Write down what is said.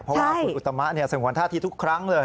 เพราะอุตมาสงวนท่าทีทุกครั้งเลย